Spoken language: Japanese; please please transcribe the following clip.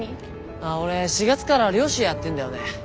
ああ俺４月から漁師やってんだよね。